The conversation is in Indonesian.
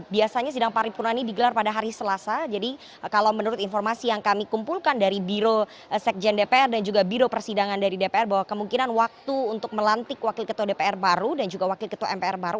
biasanya sidang paripurna ini digelar pada hari selasa jadi kalau menurut informasi yang kami kumpulkan dari biro sekjen dpr dan juga biro persidangan dari dpr bahwa kemungkinan waktu untuk melantik wakil ketua dpr baru dan juga wakil ketua mpr baru